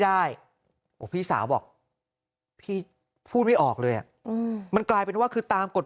ได้โอ้พี่สาวบอกพี่พูดไม่ออกเลยอ่ะมันกลายเป็นว่าคือตามกฎ